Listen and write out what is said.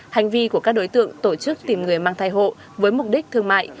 hành vi của các đối tượng tổ chức tìm người mang thai hộ với mục đích thương mại